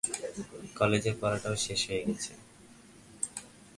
কলেজের পড়াটাও শেষ হয়ে গেছে।